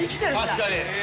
確かに。